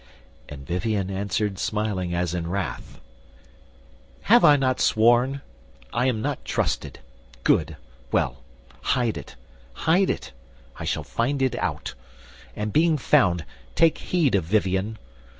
And Vivien answered smiling as in wrath: "Have I not sworn? I am not trusted. Good! Well, hide it, hide it; I shall find it out; And being found take heed of Vivien.